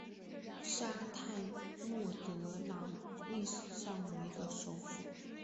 沙泰洛德朗历史上为的首府。